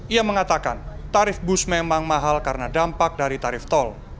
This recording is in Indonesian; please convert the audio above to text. ia mengatakan tarif bus memang mahal karena dampak dari tarif tol